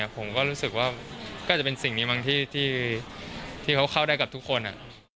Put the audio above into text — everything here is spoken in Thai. ผมก็รู้สึกว่าเป็นสิ่งที่เขาเข้าได้กับทุกคน